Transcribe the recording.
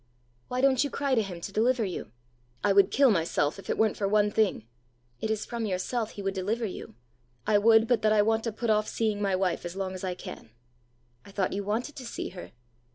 "Why don't you cry to him to deliver you?" "I would kill myself if it weren't for one thing." "It is from yourself he would deliver you." "I would, but that I want to put off seeing my wife as long as I can." "I thought you wanted to see her!"